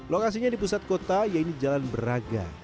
lokasinya di pusat kota yaitu jalan braga